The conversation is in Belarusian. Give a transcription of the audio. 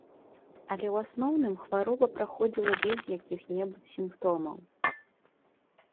Але ў асноўным хвароба праходзіла без якіх-небудзь сімптомаў.